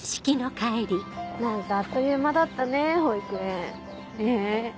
何かあっという間だったね保育園。ねぇ。